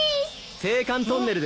・青函トンネルですね。